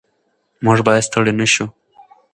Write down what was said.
موږ باید ستړي نه شو.